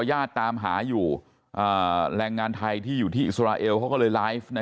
ญาติตามหาอยู่แรงงานไทยที่อยู่ที่อิสราเอลเขาก็เลยไลฟ์